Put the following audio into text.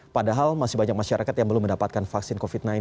padahal masih banyak masyarakat yang belum mendapatkan vaksin covid sembilan belas